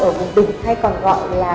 ở vùng đỉnh hay còn gọi là